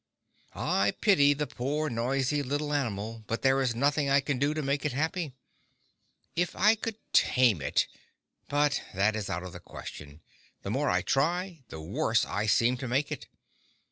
I pity the poor noisy little animal, but there is nothing I can do to make it happy. If I could tame it—but that is out of the question; the more I try, the worse I seem to make it.